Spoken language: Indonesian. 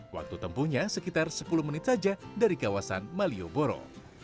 waktu tempuhnya sekitar sepuluh menit saja dari kawasan malioboro